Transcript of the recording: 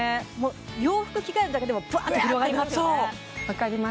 洋服着替えるだけでもバーっと広がりますよねわかります